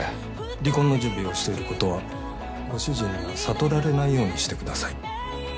離婚の準備をしていることはご主人には悟られないようにしてください。